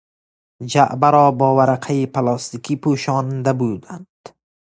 جعبه را با ورقهی پلاستیکی پوشانده بودند.